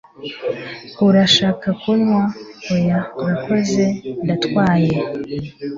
"Urashaka kunywa?" "Oya, urakoze. Ndatwaye."